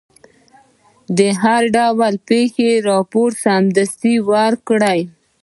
د هر ډول پېښې راپور سمدستي ورکړئ.